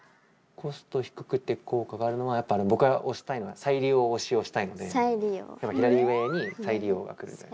コスト低くて効果があるのはやっぱ僕が推したいのは再利用推しをしたいのでやっぱ左上に再利用が来る。